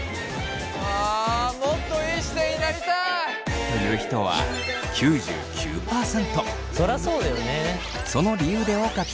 あもっといい姿勢になりたい！という人は９９％。